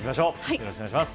よろしくお願いします